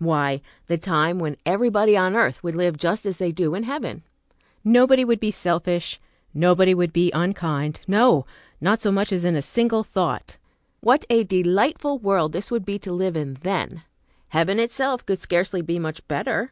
Why, the time when everybody on earth would live just as they do in heaven. Nobody would be selfish, nobody would be unkind; no! not so much as in a single thought. What a delightful world this would be to live in then! Heaven itself could scarcely be much better!